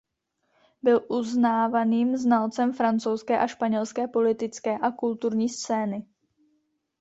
Byl uznávaným znalcem francouzské a španělské politické a kulturní scény.